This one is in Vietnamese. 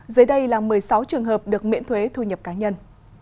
dưới đây là một mươi sáu trường hợp được miễn thuế thu nhập cá nhân